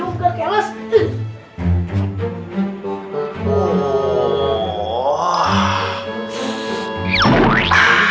gak usah nyampe bekangan juga